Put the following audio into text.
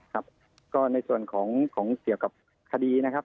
ครับก็ในส่วนของเกี่ยวกับคดีนะครับ